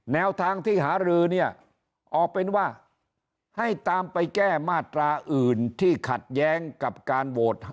แนวทางที่หารือเนี่ยออกเป็นว่าให้ตามไปแก้มาตราอื่นที่ขัดแย้งกับการโหวต